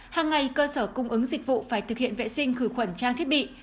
hàng ngày cơ sở cung ứng dịch vụ phải thực hiện vệ sinh khử khuẩn trang thiết bị